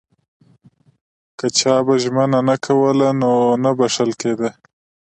که چا به ژمنه نه کوله نو نه بخښل کېده.